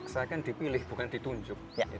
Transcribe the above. saya kan dipilih bukan ditunjuk